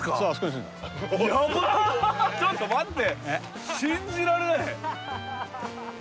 ちょっと待って！